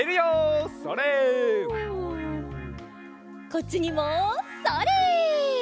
こっちにもそれ。